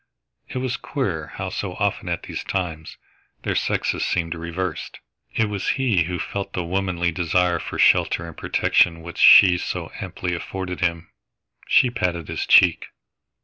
It was queer how so often at these times their sexes seemed reversed; it was he who felt that womanly desire for shelter and protection which she so amply afforded him. She patted his cheek.